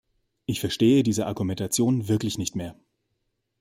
Ich verstehe diese Argumentation wirklich nicht mehr.